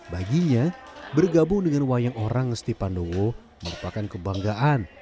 baginya bergabung dengan wayang orang ngesti pandowo merupakan kebanggaan